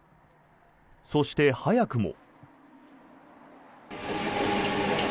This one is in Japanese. そして、早くも。